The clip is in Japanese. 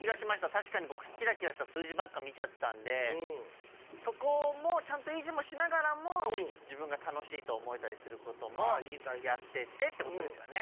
確かに僕キラキラした数字ばっか見ちゃってたんでそこもちゃんと維持もしながらも自分が楽しいと思えたりすることもやってってってことですよね？